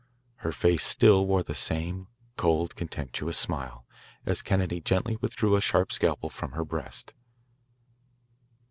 Her face still wore the same cold, contemptuous smile, as Kennedy gently withdrew a sharp scalpel from her breast.